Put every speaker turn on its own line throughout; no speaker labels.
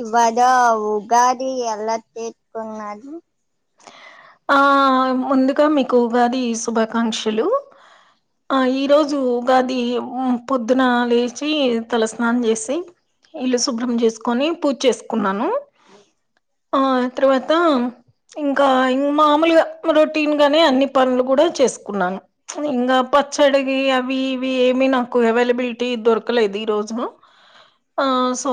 ఇవాడ ఉగాది ఎలా తట్కున్నాడు
ఆ ముందుగా మీకు ఉగాది శుభాకాంక్షలు ఆ ఈ రోజు ఉగాది పొద్దున లేచి తల స్నానం చేసి ఇల్లు శుభ్రం చేసుకొని పూజ చేసుకున్నాను ఆ తర్వాత ఇంకా మామూలుగా రొటీన్ గానే అన్ని పనులు కూడా చేసుకున్నాను ఇంకా పచ్చడి అవి వి ఏమి నాకు అవైలబిలిటీ దొరకలేదు ఈ రోజు సో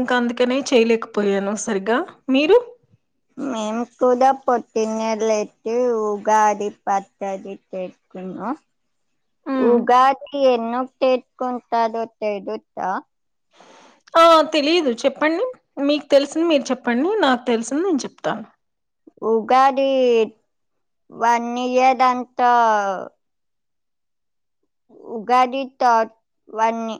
ఇంకా అందుకనే చేయలేకపోయాను సరి్గా మీరు
మేంకూద పొటిన్నెల్లెట్ ఉగాది పద్దది చెక
ఉమ్.
ఉగాదీ ఎన్నుక్ తెత్కుంతరో తెలుచా
ఆ తెలియదు చెప్పండి మీక్ తెలిసింది మీరు చెప్పండి నాక్ తెలిసింది నేన్ చెప్తా
ఉగాది వన్నియదంతా ఉగాది తో వన్ని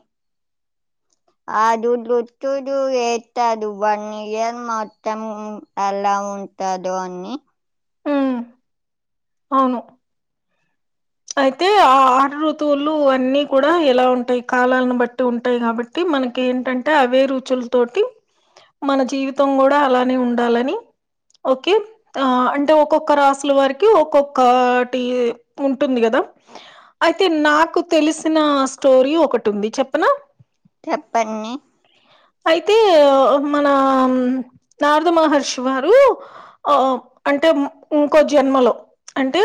ఆడు డుట్టుడు ఎత్తాడు వన్ ఇయర్ మొత్తము ఉమ్ అలా ఉంటాదో అన్నీ
ఉమ్ అవును అయితే ఆ ఆరు ఋతువులు అన్నీ కూడా ఎలా ఉంటాయి కాలాలను బట్టి ఉంటాయి కాబట్టి మనకి ఏంటంటే అవే రుచుల్తోటి మన జీవితం గూడా అలానే ఉండాలని ఓకే ఆ అంటే ఒక్కొక్క రాసుల వారికి ఒక్కొక్కా టి ఉ టుంది గదా అయితే నాకు తెలిసినా స్టోరీ ఒకటుంది చెప్పనా
చెప్పన్ని
అయితే మనా నారద మహర్షి వారూ అ అంటే మ్ ఉంకో జన్మలో అంటే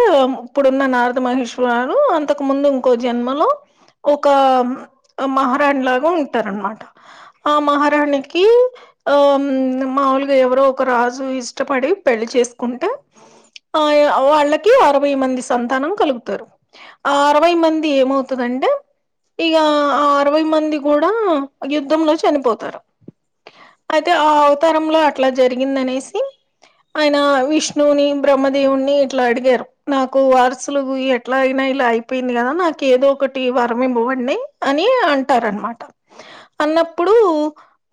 ఇప్పుడున్న న మహర్షి వారూ అంతకు ముందు ఉంకొ జన్మలో ఒకా మహరాణి లాగా ఉంటరన్మాట ఆ మహారాణికీ ఆమ్ మాములుగా ఎవరో ఒక రాజు ఇష్టపడి పెళ్లి చేసుకుంటె ఆ ఇగ వాళ్ళకి అరవై మంది సంతానం కలుగుతారు ఆ అరవై మంది ఏమవుతుదంటె ఇగా ఆ అరవై మంది గూడా యుద్ధంలో చనిపోతారు అయితే ఆ అవతారంలో అట్లా జరిగిందనేసి ఆయన విష్ణువునీ బ్రహ్మదేవున్నీ ఇట్లా అడిగారు నాకు వార సులుకు ఎట్లా అయినా ఇలా అయిపొయింది గదా నాకేదోకటి వరమివ్వుఅన్ని అని అంటార అట అన్నప్పుడూ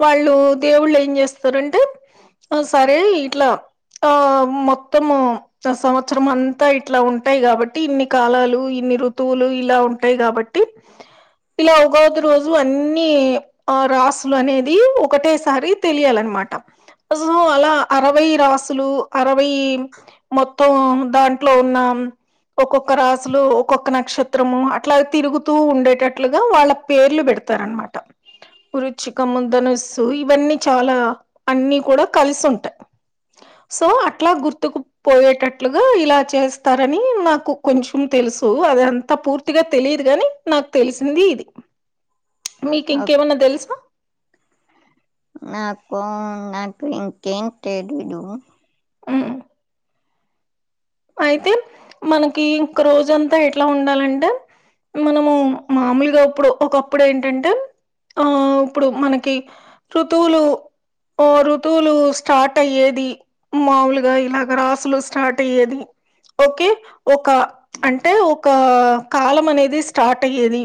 వాళ్ళు దేవుళ్లేంజేస్తరంటె ఆ సరే ఇట్లా ఆ మొత్తము స సంవత్సరమంతా ఇట్లా ఉం టాయి కాబట్టి ఇన్ని కాలాలు ఇన్ని ఋతువులు ఇలా ఉంటయి కాబట్టి ఇలా ఉగావది రోజు అన్నీ ఆ రాసులనేదీ ఒకటేసారి తెలియాలన్నమ మాట సో అలా అరవై రాసులూ అరవై మొత్తం దాంట్లో ఉన్నా ఒక్కొక్క రాసులు ఒక్కొక్క నక్షత్రము అట్లా తిరుగుతూ ఉండేటట్లుగా వాళ్ళ పేర్లు పెడతారన్మాట వృచ్చికము దనుస్సు ఇవన్నీ చాలా అన్ని కూడా కలిసుంటాయ్ సో అట్లా గుర్తుకు పోయేటట్లుగా ఇలా చేస్త రనీ నాకు కొంచెం తెలుసు అదంతా పూర్తిగా తెలియదు గాని నాక్ తెలిసింది ఇది మీకింకేమన్నా తెలుసా
నాకూ నాకు ఇంకేం తెలీదూ
ఊ అయితే మనకీ ఒక రోజంతా ఎట్లా ఉండాలంటె మనమూ మాములుగా అప్పుడు ఒకప్పుడేంటంటే ఆ ప్పుడు మనకీ ఋతువులు ఓ ఋతువులూ స్టార్ట్ అయ్యేది మాములుగా ఇలాగ రాసులు స్టార్ట్ అయ్యేది ఓకే ఒక అంటే ఒకా కాలం అనేది స్టార్ట్ అయ్యేది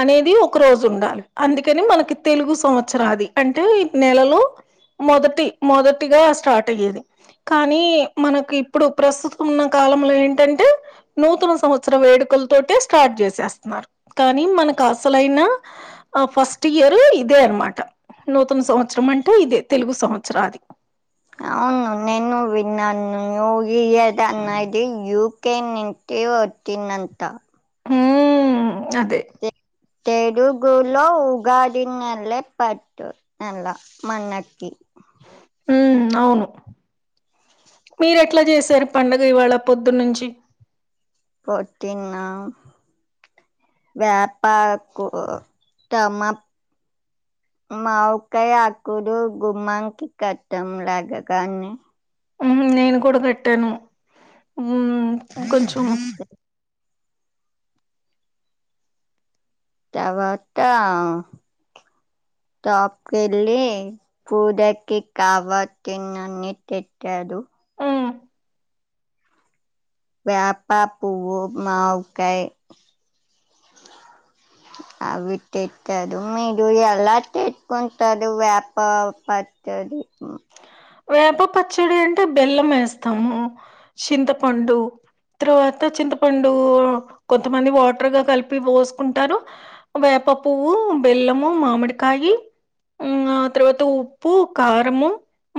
అనేది ఒక రోజుండాలి అందుకని మనకి తెలుగు సంవత్సరాది అంటే ఈ నెలలో మొదటి మొదటిగా స్టార్ట్ అయ్యేది కానీ మనకి ఇప్పుడు ప్రస్తు ఉన్న కాలంలో ఏంటంటే నూతన సంవత్సర వేడుకల్తోటె స్టార్ట్ జేసేస్తనారు కానీ మనకసలైన ఆ ఫస్ట్ ఇయరు ఇదే అన్మాట నూతన సంవత్సరం అంటే ఇదే తెలుగు సంవత్సరాది
అవును నేను విన్నా యూయద అన్న ఇది యూకె నింట వచ్చినంత
ఉమ్ అదే
తెలుగులో ఉగాడిన్నల పట్టు నల మన్నకి
ఉ అవును మీరెట్లా చేశారు పండుగ ఇవాళ పొద్దున్న నుంచి
పొద్దున్న వేపకు తమ మావికాయ ఆకులు గుమ్మంకి కట్టంలాగగాన్ని
నేను కూడా కట్టాను కొంచెం
కట్టవ అక్క షాప్ కెల్లి పూజకి కావసి తన్నన్నిట్టట్టదు
మ్మ్
వేపా పూవవు మావికాయ అవి తెచదు మీరు ఎలా చేచుకుంటారు వేప ప సడి [unintelligible]
వేప పచ్చడి అంటే బెల్లం వేస్తాము చింతపండు తర్వాత చింతపండు కొంతమంది వాటర్గా కలిపి పోసుకుంటారు వేప్ప పువ్వు బెల్లము మామిడికాయి ఆ తర్వాత ఉప్పు కారంము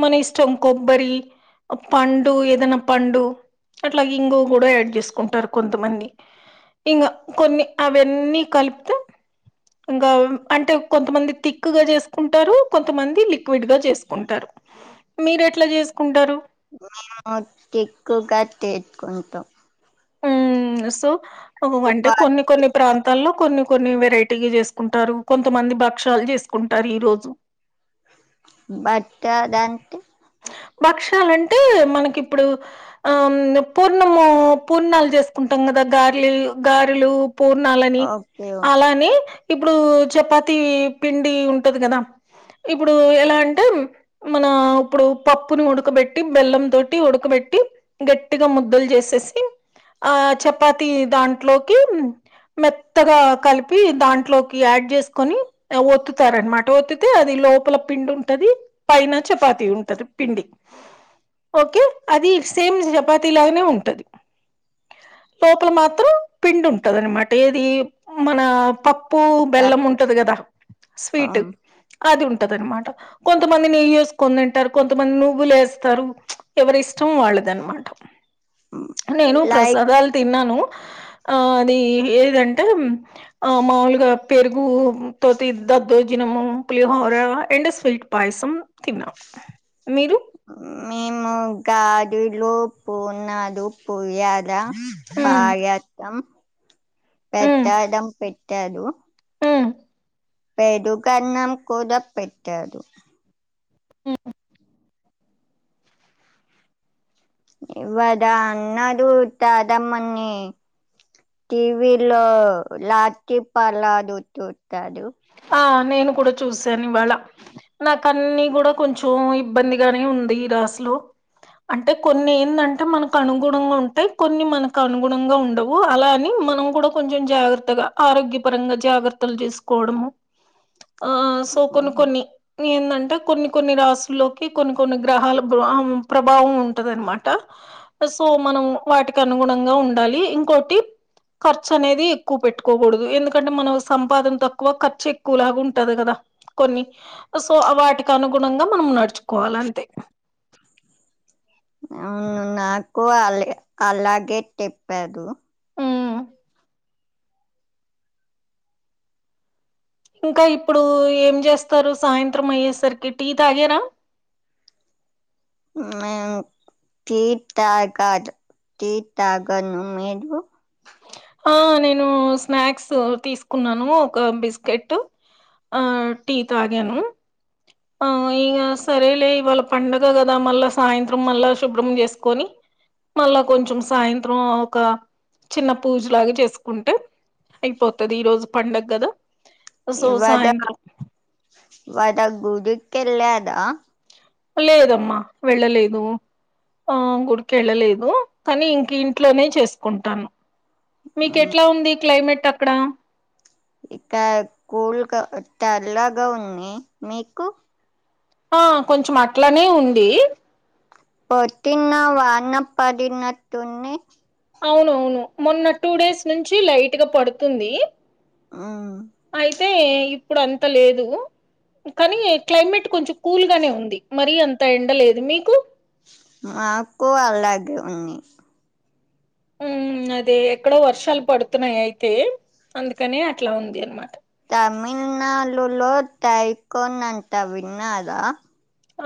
మన ఇష్టం కొబ్బరి పండు ఏదనా పండు అట్లాగ ఇంగువ కూడా యాడ్ చేసుకుంటారు కొంతమంది ఇంకా కొన్ని అవన్నీ కలిపితే ఇంకా అంటే కొంతమంది థిక్ గా చేసుకుంటారు కొంతమంది లిక్విడ్ గా చేసుకుంటారు మీరు ఎట్లా చేసుకుంటారు
మేము ఎక్కువగా తేట్కుంటాం
ఉ సో అంటే కొన్ని కొన్ని ప్రాంత తల్లో కొన్ని కొన్ని వెరైటీగా చేసుకుంటారు కొంతమంది భక్ష్యాలు చేసుకుంటారు ఈ రోజు
భక్షాలు అంతే
భక్షాలంటే మనకి ఇప్పుడు ఆ పూర్ణము పూర్ణాలు చేసుకుంటాం కదా గారలి గారెలు పూర్ణాలని
ఓకే ఓకే
అలానే ఇప్పుడు చపాతి పిండి ఉంటది కదా ఇప్పుడు ఎలా అంటే మన ఇప్పుడు పప్పుని ఉడకబెట్టి బెల్లం తోటి ఉడకబెట్టి పెట్టి గట్టిగా ముద్దలు చేసేసి ఆ చపాతి దాంట్లోకి మెత్తగా కలిపి దాంట్లోకి యాడ్ చేసుకొని ఒత్తుతారనమాట ఒత్తితే అది లోపల పిండి ఉంటది పైన చపాతి ఉంటది పిండి ఓకే అది సేమ్ చపాతీ లాగానే ఉంటది లోపల మాత్రం పిండి ఉంటద అనమాట ఏది మన ప పప్పు బెల్లం ఉంటంది కదా స్వీట్ అది ఉంటు నమాట కొంతమంది నయ చేసుకొని తింటారు కొంతమంది నువ్వులే వస్తారు ఎవరి ఇష్టం వాళ్ళ అదన మాట
ఆ
ప్రసాదాలు తిన్నాను ఆ అది ఏదంటే ఆ మాములుగా పెరుగు తో దద్దోజ పులిహోర అండ్ స్వీట్ పాయసం తిన్నాము నువ్వు
మేము గాదులో పూర్ణాలు ఉన్నాదు పోయి గ్యారా పాయత్తం ప్రాసాదం పెట్టాదు
అ
పేరుగన్నం కుద పెట్టదు. ఇవ్వదా అన్నడు తాదమ్మన్ని టీవీలో లాస్ట్ పలా దుతుతాడు
ఆ నేను కూడా చూసాను ఇవాళ నాకన్నీ కూడా కొంచెం ఇబ్బందిగానే ఉంది ఇ అస్లు అంటే కొన్ని ఏందంటే మనకు అనుగుణంగా ఉంటాయి కొన్ని మనకు అనుగుణంగా ఉండవు అలా అని మనం కూడా కొంచెం జాగ్రత్తగా ఆరోగ్యపరంగా జాగ్రత్తలు తీసు కోడము ఆ సో కొన్ని కొన్ని ఏందం టే కొన్ని కొన్ని రాసుల్లోకి కొన్ని కొన్ని గ్రహాల బ్రాహవం ప్రభావం ఉంటది అనమాట సో మనం వాటికి అనుగుణంగా ఉండాలి ఇంకోటి ఖర్చు అనేది ఎక్కువ పెట్టుకోకూడదు ఎందుకంటే మనం సంపాదన త క్కువ ఖర్చు ఎక్కువలగుంటది కదా కొన్ని సో వాటికి అనుగుణంగా మనం నడుచుకోవాలంతే
అవునవును నాకు అల్లే అలాగే తెప్పారు
ఉమ్. ఇంకా ఇప్పుడు ఏం చేస్తారు సాయంత్రం అయ్యేసరికి టీ తాగ్యరా
మ్మ్ మేము టీ తాగాదు టీ తాగాను మీరు
ఓ నేను స్నాక్స్ తీసుకున్నాను ఒక బిస్కెటు ఆ టీ తాగాను ఆ ఇక సరేలే ఇవాళ పండగ కదా మళ్ళా సాయంత్రం మళ్ళా శుభ్రం చేసుకొని మళ్ళా కొంచెం సాయంత్రం ఒక చిన్న పూజ లాగా చేసుకుంటే అయిపోతాది ఈరోజు పండగద సో సాయంత్రం
వద గుదికేళ్ళదా
లేదమ్మా వెళ్ళలేదు ఆ గుడికేళ్ళలేదు కానీ ఇంక ఇంట్లోనే చేసుకుంటాను మీకేట్లా ఉంది క్లైమేట్ అక్కడ
ఇక కూల్గా టల్లాగా ఉంది మీకు
ఆ కొంచెం అట్లనే ఉంది
పొటిన్న వానపాడినటుని
అవునవును మొన్న టూ డేస్ నుంచి లైట్గా పడుతుంది
మ్మ్
తే ఇప్పుడు అంత లేదు కానీ క్లైమేట్ కొంచెం కూల్ గానే ఉంది మరి అంతా ఎండలేదు మీకు
మాకు అలాగే ఉని
మ్మ్ అదే ఎక్కడో వర్షాలు పడుతున్నాయి అయితే అందుకనే అట్లా ఉంది అనమాట
తమిళ్నాళులో టైకోన్ అంత విన్నదా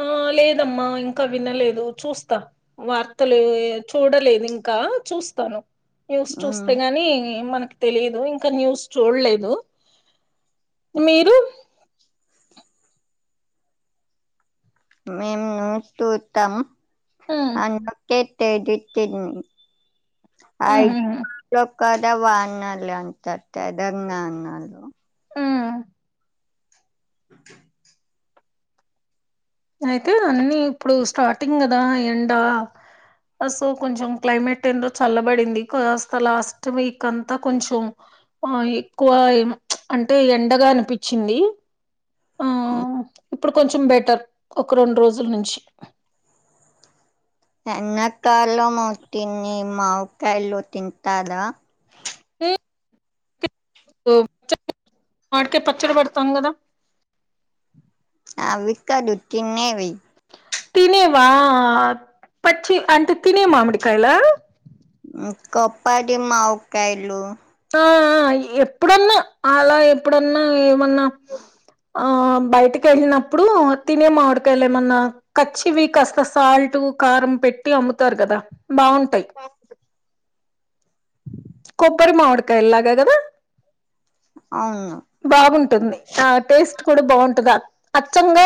ఆ లేదమ్మా ఇంకా వినలేదు చూస్తా వార్తలు చూడలేదు ఇంకా ఆ చూస్తాను న్యూస్
మ్
చూస్తేగాని మనక్ తెలిదు ఇంకా న్యూస్ చూల్లేదు మీరు
మేమ్ నూ టూస్తాం
ఉమ్
అందుకే తేదితిన్
ఉమ్ ఉమ్
[unintelligible] కదా వానలు అంట తెదంగాణలో
ఉమ్.
ఓకే
అయితే అన్ని ఇప్పుడు స్టార్టింగ్ కదా ఎండా అ సో కొంచెం క్లైమేట్ ఏందో చల్లబడింది కాస్త లాస్ట్ వీక్ అంతా కొంచెం ఆ ఎక్కువ ఏమో అంటే ఎండగా అనిపిచింది
అఓ
ఇప్పుడు కొంచెం బెటర్ ఒక రెండురోజుల నుంచి
ఎన్నకాలం వటింది మావ్‌‌కాయలు తింటారా
మ్మ్ [unintelligible] మాడికాయ పచ్చడి పెడతాం కదా
అవి కాదు తిన్నేవి
తినేవా పచ్చి అంటే తినే మామిడికాయలా
కొప్పడి మావుకాయలు
ఆ ఆ ఎప్పుడన్నా అలా ఎప్పుడన్నా ఏమన్నా ఆ బయటికి ఎళ్ళినప్పుడు తినే మామిడికయాలు ఏమన్నా కచ్చివి కాస్త సాల్ట్ టూ కారం పెట్టి అమ్ముతారు కదా బాగుంటయ్ కొబ్బరి మామిడి కాయల్లాగే గదా
అవును
బాగుంటుంది ఆ టేస్ట్ కూడా బాగుంటది అచ్చంగా